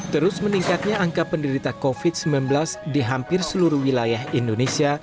terus meningkatnya angka penderita covid sembilan belas di hampir seluruh wilayah indonesia